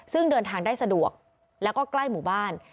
ซึ่งเดินทางได้สะดวกแล้วก็ใกล้หมู่บ้าน